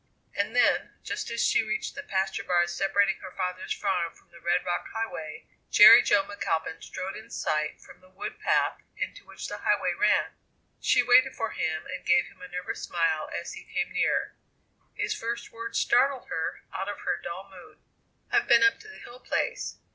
And then, just as she reached the pasture bars separating her father's farm from the red rock highway, Jerry Jo McAlpin strode in sight from the wood path into which the highway ran. She waited for him and gave him a nervous smile as he came near. His first words startled her out of her dull mood. "I've been up to the Hill Place.